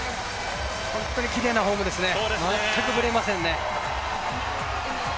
本当にきれいなフォームですね、全くブレませんね。